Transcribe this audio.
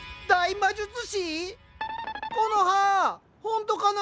コノハほんとかな？